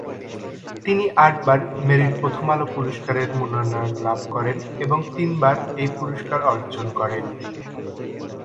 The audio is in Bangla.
তিনি আটবার মেরিল-প্রথম আলো পুরস্কারের মনোনয়ন লাভ করেন এবং তিনবার এই পুরস্কার অর্জন করেন।